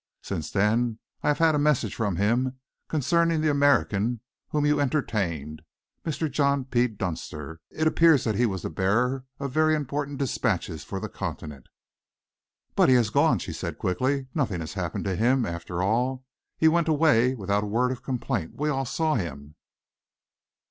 Since then I have had a message from him concerning the American whom you entertained Mr. John P. Dunster. It appears that he was the bearer of very important dispatches for the Continent." "But he has gone," she said quickly. "Nothing happened to him, after all. He went away without a word of complaint. We all saw him."